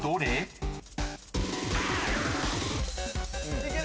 いける。